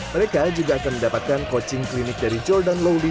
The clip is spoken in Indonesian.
mereka juga akan mendapatkan coaching klinik dari jordan lowly